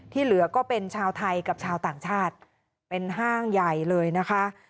เหลือก็เป็นชาวไทยกับชาวต่างชาติเป็นห้างใหญ่เลยนะคะ